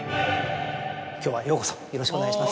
今日はようこそよろしくお願いします。